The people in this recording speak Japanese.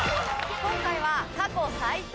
今回は。